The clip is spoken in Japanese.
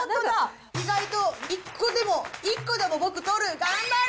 意外と１個でも僕取る！頑張る！